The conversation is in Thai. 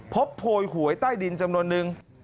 โพยหวยใต้ดินจำนวนนึง